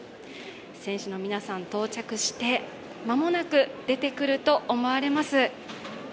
選手の皆さん、到着して、間もなく出てくると思われます。